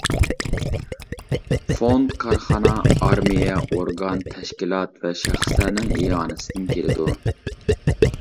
فوند كارخانا، ئارمىيە، ئورگان، تەشكىلات ۋە شەخسلەرنىڭ ئىئانىسىدىن كېلىدۇ.